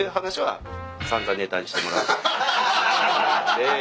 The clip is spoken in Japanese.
ええ。